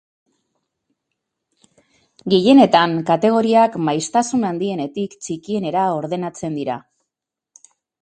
Gehienetan, kategoriak maiztasun handienetik txikienera ordenatzen dira.